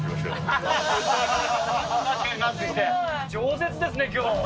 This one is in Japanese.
饒舌ですね今日。